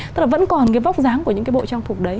tức là vẫn còn cái vóc dáng của những cái bộ trang phục đấy